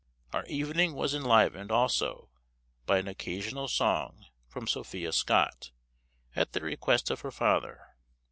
Our evening was enlivened also by an occasional song from Sophia Scott, at the request of her father.